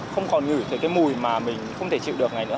không còn ngửi thấy cái mùi mà mình không thể chịu được ngày nữa